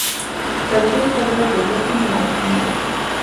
ټپي ته باید د زخم مرهم ورکړو.